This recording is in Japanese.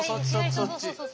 そうそうそうそう。